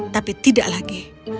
tapi tidak lagi